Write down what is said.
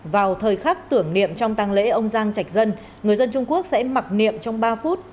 vào thời khắc tưởng niệm trong tăng lễ ông giang trạch dân người dân trung quốc sẽ mặc niệm trong ba phút